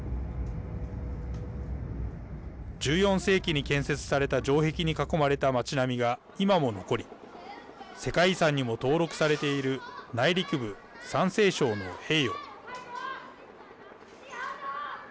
１４世紀に建設された城壁に囲まれた町並みが今も残り世界遺産にも登録されている内陸部、山西省の平遥。